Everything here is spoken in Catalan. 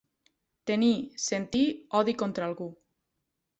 Tenir, sentir, odi contra algú.